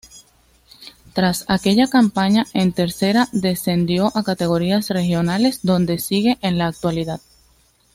Tras aquella campaña en Tercera descendió a categorías regionales, donde sigue en la actualidad.